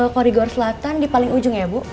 koridor selatan di paling ujung ya bu